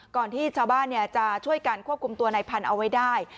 ก่อนที่ชาวบ้านจะช่วยกันควบคุมตัวในพันธุ์เอาไว้ได้